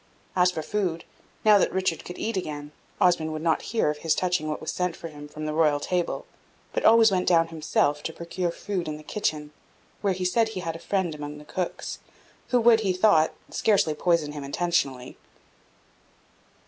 As for food, now that Richard could eat again, Osmond would not hear of his touching what was sent for him from the royal table, but always went down himself to procure food in the kitchen, where he said he had a friend among the cooks, who would, he thought, scarcely poison him intentionally.